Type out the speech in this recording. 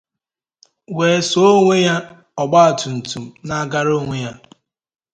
wee suo onye ọgbatumtum na-agara onwe ya